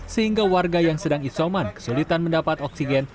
sehingga warga yang sedang isoman kesulitan mendapat oksigen